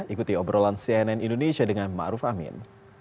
ikuti obrolan cnn indonesia dengan ma'ruf amin